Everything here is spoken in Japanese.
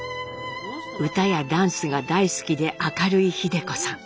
歌やダンスが大好きで明るい秀子さん。